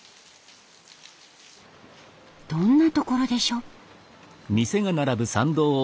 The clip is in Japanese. どんな所でしょう？